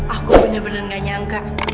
aku benar benar gak nyangka